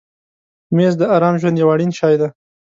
مېز د آرام ژوند یو اړین شی دی.